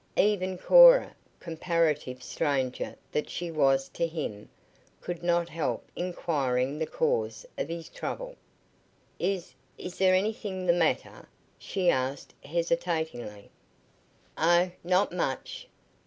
Even Cora, comparative stranger that she was to him, could not help inquiring the cause of his trouble. "Is is there anything the matter?" she asked hesitatingly. "Oh not much.